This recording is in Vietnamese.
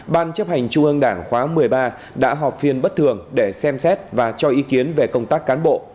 ban chấp hành trung ương đảng khóa một mươi ba đã họp phiên bất thường để xem xét và cho ý kiến về công tác cán bộ